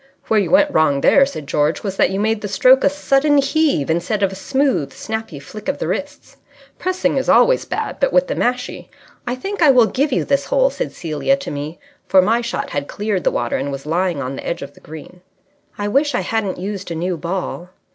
"Where you went wrong there," said George, "was that you made the stroke a sudden heave instead of a smooth, snappy flick of the wrists. Pressing is always bad, but with the mashie " "I think I will give you this hole," said Celia to me, for my shot had cleared the water and was lying on the edge of the green. "I wish I hadn't used a new ball."